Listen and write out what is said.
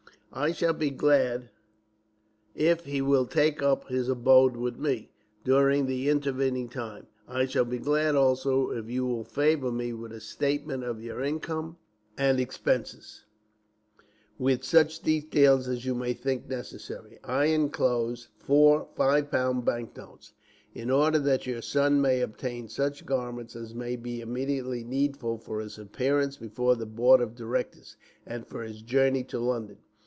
I shall be glad if he will take up his abode with me, during the intervening time. I shall be glad also if you will favour me with a statement of your income and expenses, with such details as you may think necessary. I inclose four five pound bank notes, in order that your son may obtain such garments as may be immediately needful for his appearance before the board of directors, and for his journey to London.